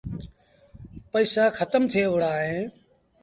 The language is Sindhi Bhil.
پئيٚسآ کتم ٿئي وُهڙآ اهيݩ۔